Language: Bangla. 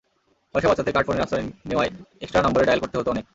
পয়সা বাঁচাতে কার্ড ফোনের আশ্রয় নেওয়ায় একস্ট্রা নম্বরে ডায়াল করতে হতো অনেক।